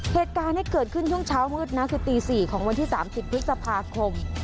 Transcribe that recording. เหตุการณ์ที่เกิดขึ้นช่วงเช้ามืดนะคือตี๔ของวันที่๓๐พฤษภาคม